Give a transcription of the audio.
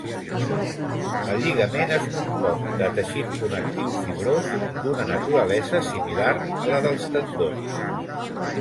El lligament es compon de teixit connectiu fibrós, d'una naturalesa similar a la dels tendons.